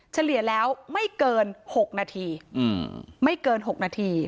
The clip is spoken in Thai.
เฉลี่ยแล้วไม่เกิน๖นาทีไม่เกิน๖นาที